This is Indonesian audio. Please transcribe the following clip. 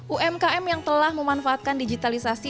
umkm yang telah memanfaatkan digitalisasi